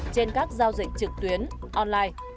trên các giao dịch trực tuyến online